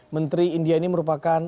menteri india ini merupakan